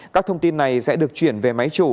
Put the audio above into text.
các thông tin này sẽ được chuyển về máy chủ